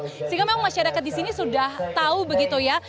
sehingga memang masyarakat di sini sudah tahu begitu ya